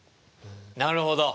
なるほど。